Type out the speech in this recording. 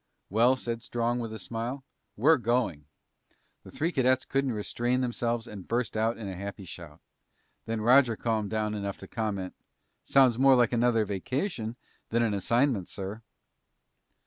"Well," said Strong with a smile, "we're going!" The three cadets couldn't restrain themselves and burst out in a happy shout. Then Roger calmed down enough to comment, "Sounds more like another vacation than an assignment, sir."